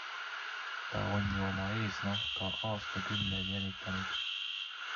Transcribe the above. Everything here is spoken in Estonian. Ta on ju oma eesnahka aastakümneid venitanud!